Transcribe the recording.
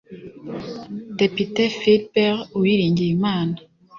Depite Philbert Uwiringiyimana